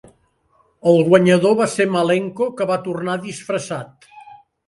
El guanyador va ser Malenko, que va tornar disfressat.